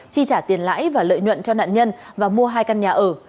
chi trả tiền lãi và lợi nhuận cho nạn nhân và mua hai căn nhà ở